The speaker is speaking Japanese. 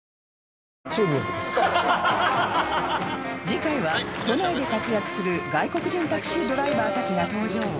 次回は都内で活躍する外国人タクシードライバーたちが登場